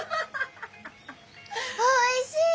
おいしい！